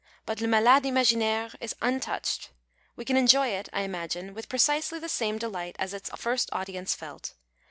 But Le Malade Imaginaire is un touched. We can enjoy it, I imagine, with precisely the same delight as its first audience felt.